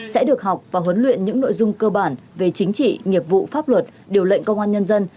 sẽ được học và huấn luyện những nội dung cơ bản về chính trị nghiệp vụ pháp luật điều lệnh công an nhân dân